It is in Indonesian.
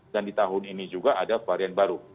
dan di tahun ini juga ada varian baru